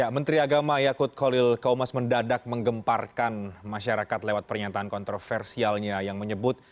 menteri agama yakut kolil kaumas mendadak menggemparkan masyarakat lewat pernyataan kontroversialnya yang menyebut